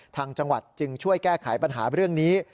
ทางจังหวัดจึงช่วยแก้ไขปัญหาเรื่องนี้